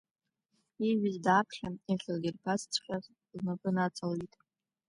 Ииҩыз дааԥхьан, иахьылирбаҵәҟьаз лнапы наҵалҩит.